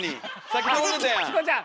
チコちゃん